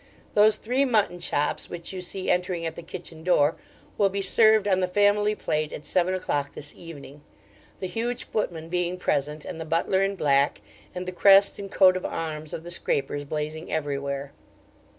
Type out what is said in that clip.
Those three mutton chops which you see entering at the kitchen door will be served on the family plate at seven o'clock this evening, the huge footman being present, and the butler in black, and the crest and coat of arms of the Scrapers blazing everywhere.